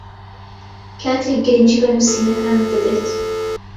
کاتێک گرنگی بە نووسینەکانت دەدەیت